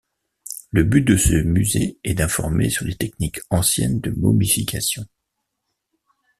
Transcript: Le but de ce musée est d'informer sur les techniques anciennes de momification.